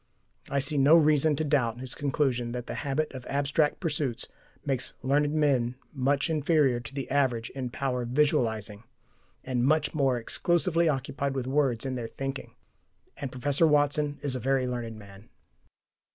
I see no reason to doubt his conclusion that the habit of abstract pursuits makes learned men much inferior to the average in power of visualizing, and much more exclusively occupied with words in their "thinking." And Professor Watson is a very learned man.